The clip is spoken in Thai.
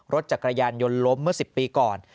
รถจักรยานยนต์ล้มเมื่อ๑๐ปีก่อน